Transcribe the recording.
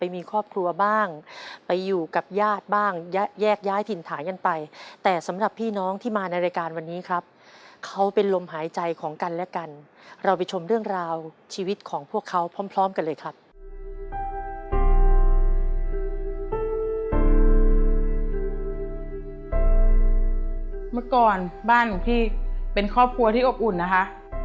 เมื่อก่อนบ้านของพี่เป็นครอบครัวที่อบอุ่นนะคะ